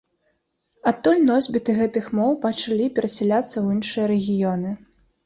Адтуль носьбіты гэтых моў пачалі перасяляцца ў іншыя рэгіёны.